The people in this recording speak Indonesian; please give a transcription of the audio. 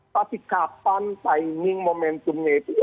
tapi kapan timing momentumnya